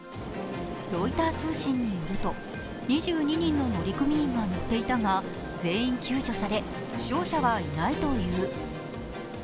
ロイター通信によると２２人の乗組員が乗っていたが全員救助された負傷者はいないという。